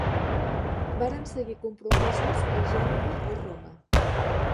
Varen seguir compromisos a Gènova i Roma.